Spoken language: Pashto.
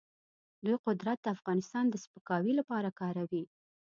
دوی قدرت د افغانستان د سپکاوي لپاره کاروي.